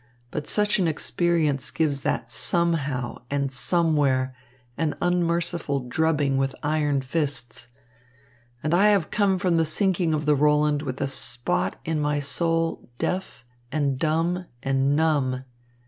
But such an experience gives that 'somehow' and 'somewhere' an unmerciful drubbing with iron fists. And I have come from the sinking of the Roland with a spot in my soul deaf and dumb and numb.